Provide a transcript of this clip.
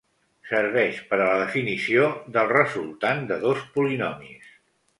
Serveix per a la definició del resultant de dos polinomis.